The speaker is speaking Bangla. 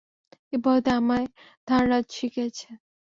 এ পদ্ধতি আমায় থানরাজ শিখিয়েছে।